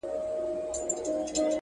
o تور مار مه وژنه، تور جت مړ که!.